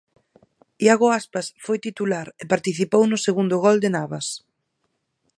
Iago Aspas foi titular e participou no segundo gol de Navas.